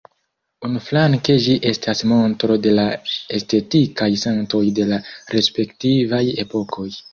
Unuflanke ĝi estas montro de la estetikaj sentoj de la respektivaj epokoj.